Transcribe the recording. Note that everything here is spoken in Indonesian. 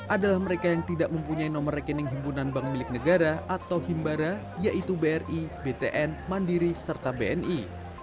adalah mereka yang tidak mempunyai nomor rekening himpunan bank milik negara atau himbara yaitu bri btn mandiri serta bni